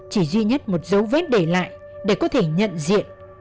chỉ duy nhất một dấu vết để lại để có thể nhận diện